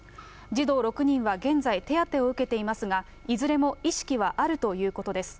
児童６人は現在、手当てを受けていますが、いずれも意識はあるということです。